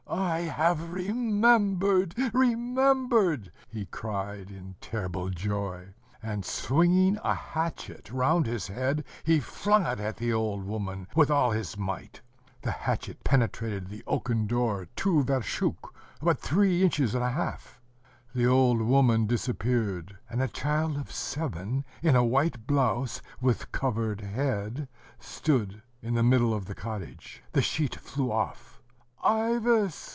"I have remembered, remembered!" he cried in terrible joy; and, swinging a hatchet round his head, he flung it at the old woman with all his might. The hatchet penetrated the oaken door two vershok (three inches and a half). The old woman disappeared; and a child of seven in a white blouse, with covered head, stood in the middle of the cottage. ... The sheet flew off. "Ivas!"